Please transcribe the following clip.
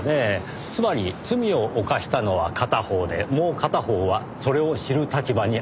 つまり罪を犯したのは片方でもう片方はそれを知る立場にあった。